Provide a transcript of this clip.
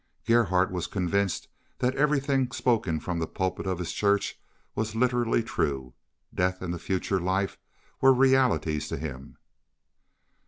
Gerhardt was convinced that everything spoken from the pulpit of his church was literally true. Death and the future life were realities to him.